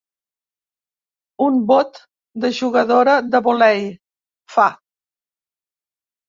Un bot de jugadora de vòlei, fa.